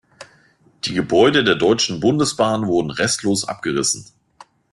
Die Gebäude der Deutschen Bundesbahn wurden restlos abgerissen.